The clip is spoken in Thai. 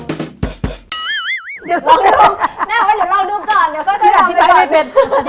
แม่บอกว่าเดี๋ยวลองดูก่อน